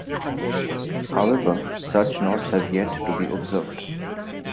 However, such knots have yet to be observed.